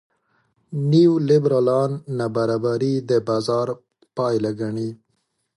نیولېبرالان نابرابري د بازار پایله ګڼي.